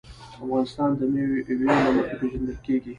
افغانستان د مېوې له مخې پېژندل کېږي.